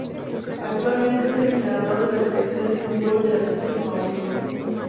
Actualmente es el entrenador de la selección de fútbol de las Islas Mauricio.